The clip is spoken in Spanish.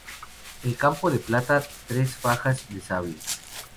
En campo de plata, tres fajas de sable.